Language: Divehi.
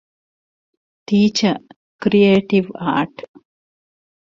ޓީޗަރ - ކްރިއޭޓިވް އާރޓް